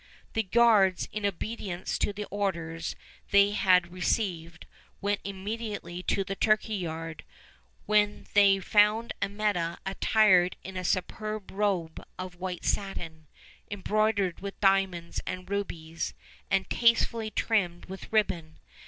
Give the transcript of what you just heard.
The guards, in obedience to the orders they had re ceived, went immediately to the turkey yard, when they found Amietta attired in a superb robe of white satin, embroidered with diamonds and rubies, and tastefully trimmed with ribbon.